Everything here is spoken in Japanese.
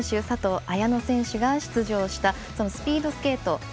佐藤綾乃選手が出場したスピードスケート。